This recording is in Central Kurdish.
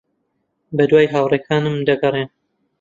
بەدوای ھاوڕێکانم دەگەڕێم.